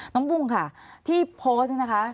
น้องกุงค่ะที่โพสต์นะคะ